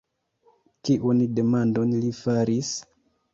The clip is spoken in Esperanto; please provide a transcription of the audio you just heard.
Kiun demandon li faris?